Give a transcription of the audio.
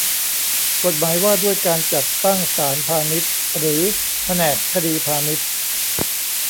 กฎหมายว่าด้วยการจัดตั้งศาลพาณิชย์หรือแผนกคดีพาณิชย์